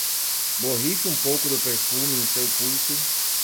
Borrife um pouco do perfume em seu pulso